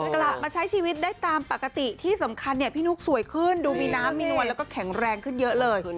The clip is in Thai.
กลับมาใช้ชีวิตได้ตามปกติที่สำคัญเนี่ยพี่นุ๊กสวยขึ้นดูมีน้ำมีนวลแล้วก็แข็งแรงขึ้นเยอะเลย